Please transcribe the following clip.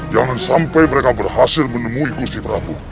jangan sampai mereka berhasil menemui kursi prabu